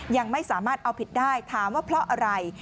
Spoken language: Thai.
ยังไม่สามารถเอาผิดได้ถามว่าเพราะอะไร